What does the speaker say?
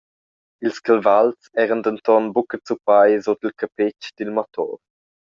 Ils cavals eran denton buca zuppai sut il capetsch dil motor.